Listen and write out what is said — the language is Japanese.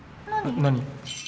何？